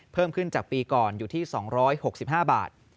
เพิ่มขึ้นจากปีก่อนอยู่ที่๒๖๕บาท